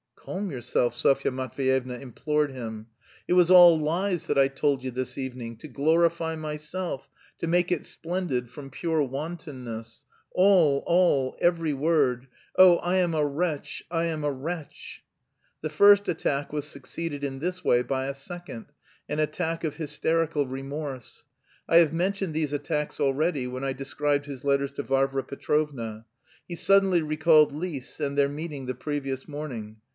"Calm yourself!" Sofya Matveyevna implored him. "It was all lies that I told you this evening to glorify myself, to make it splendid, from pure wantonness all, all, every word, oh, I am a wretch, I am a wretch!" The first attack was succeeded in this way by a second an attack of hysterical remorse. I have mentioned these attacks already when I described his letters to Varvara Petrovna. He suddenly recalled Lise and their meeting the previous morning.